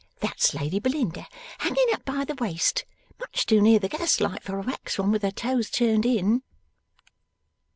That's Lady Belinda hanging up by the waist, much too near the gaslight for a wax one, with her toes turned in.